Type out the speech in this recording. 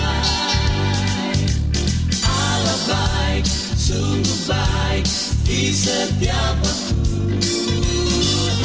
alam baik sungguh baik di setiap waktu